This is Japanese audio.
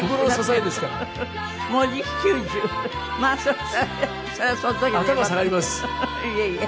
いえいえ。